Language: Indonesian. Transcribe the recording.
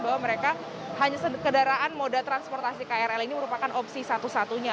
bahwa mereka hanya kendaraan moda transportasi krl ini merupakan opsi satu satunya